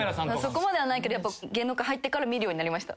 そこまではないけど芸能界入ってから見るようになりました。